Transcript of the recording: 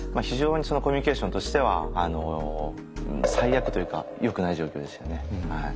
非常にコミュニケーションとしては最悪というかよくない状況でしたね。